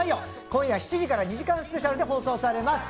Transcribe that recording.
今夜７時から２時間スペシャルで放送されます。